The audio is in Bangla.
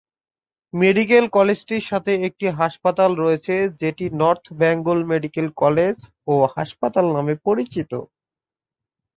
মেডিকেল কলেজটির সাথে একটি হাসপাতাল রয়েছে যেটি নর্থ বেঙ্গল মেডিকেল কলেজ ও হাসপাতাল নামে পরিচিত।